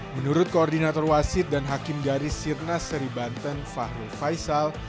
menurut koordinator wasit dan hakim garis sirnas seribanten fahru faisal